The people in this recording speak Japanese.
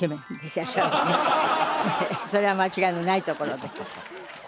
それは間違いのないところで。